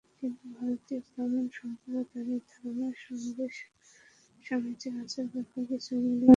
কিন্তু ভারতীয় ব্রাহ্মণ সম্পর্কে তাঁদের ধারণার সঙ্গে স্বামীজীর আচার-ব্যবহার কিছুই মিলল না।